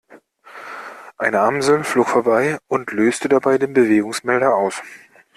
Eine Amsel flog vorbei und löste dabei den Bewegungsmelder aus.